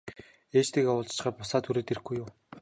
Ээжтэйгээ уулзчихаад буцаад хүрээд ирэхгүй юу?